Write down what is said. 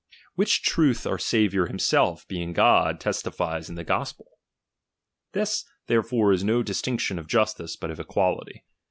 Which truth our Saviour himself, being God, testifies in the Gospel. This therefore is no distinction of justice, but of equality.